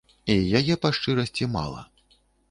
І яе, па шчырасці, мала.